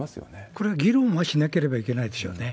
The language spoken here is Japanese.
これは議論はしなければいけないですよね。